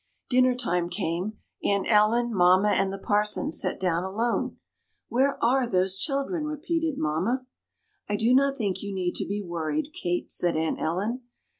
Dinner time came. Aunt Ellen, mamma, and the parson sat down alone. "Where are those children?" repeated mamma. "I do not think you need be worried, Kate," said Aunt Ellen.